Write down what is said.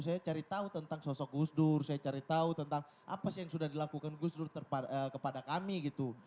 saya cari tahu tentang sosok gus dur saya cari tahu tentang apa sih yang sudah dilakukan gus dur kepada kami gitu